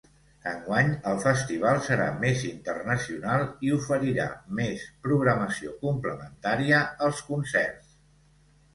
Enguany el festival serà més internacional i oferirà més programació complementària als concerts.